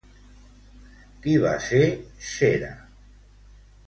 Qui va ser Sèrah?